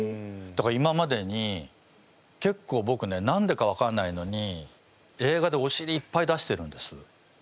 だから今までにけっこうぼくね何でか分かんないのに映画でおしりいっぱい出してるんです。